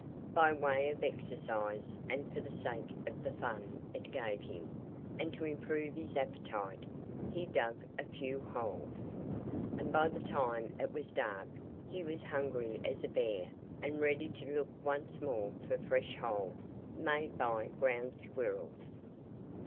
By way of exercise, and for the sake of the fun it gave him, and to improve his appetite, he dug a few holes. And by the time it was dark he was hungry as a bear and ready to look once more for fresh holes made by Ground Squirrels.